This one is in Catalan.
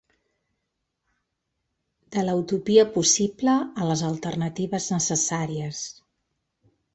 De la utopia possible a les alternatives necessàries.